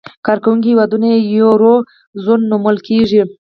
کاروونکي هېوادونه یې یورو زون نومول کېږي.